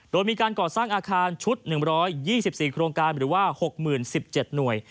โดยมีการก่อสร้างอาคารชุด๑๒๔โครงการหรือว่า๖๐๑๗หน่วย